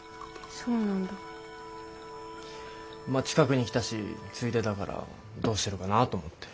まあ近くに来たしついでだからどうしてるかなと思って。